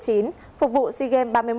phục vụ sigem ba mươi một